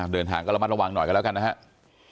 เดินทางก็ระมัดระวังหน่อยกันแล้วกันนะครับ